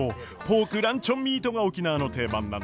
ポークランチョンミートが沖縄の定番なんです。